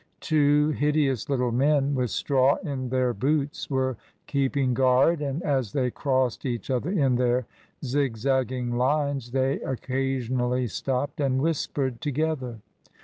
Two hideous little men, with straw in their boots, were keeping guard, and as they crossed each other in their zigzagging lines they occa sionally stopped and whispered together.